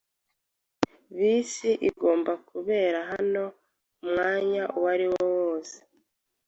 Bisi igomba kubera hano umwanya uwariwo wose.